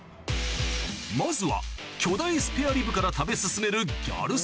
まずは巨大スペアリブから食べ進めるギャル曽根